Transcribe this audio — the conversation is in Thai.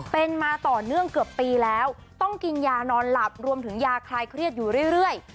เป็นมาต่อเนื่องเกือบปีแล้วต้องกินยานอนหลับรวมถึงยาคลายเครียดอยู่เรื่อย